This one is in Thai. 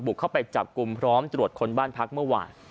เข้าไปจับกลุ่มพร้อมตรวจคนบ้านพักเมื่อวาน